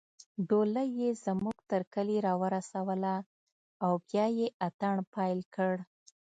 ډولۍ يې زموږ تر کلي راورسوله او بیا يې اتڼ پیل کړ